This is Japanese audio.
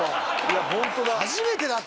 いやホントだ。